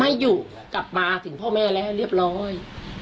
ให้อยู่กลับมาถึงพ่อแม่แล้วเรียบร้อย